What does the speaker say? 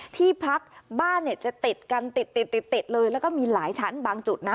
ที่พักบ้านเนี่ยจะติดกันติดติดเลยแล้วก็มีหลายชั้นบางจุดนะ